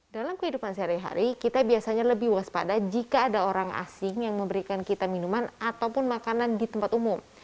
dalam kehidupan sehari hari kita biasanya lebih waspada jika ada orang asing yang memberikan kita minuman ataupun makanan di tempat umum